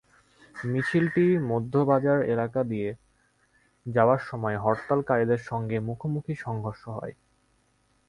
মিছিলটি মধ্যবাজার এলাকা দিয়ে যাওয়ার সময় হরতালকারীদের সঙ্গে মুখোমুখি সংঘর্ষ হয়।